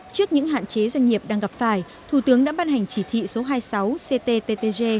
trước những hạn chế doanh nghiệp đang gặp phải thủ tướng đã ban hành chỉ thị số hai mươi sáu cttg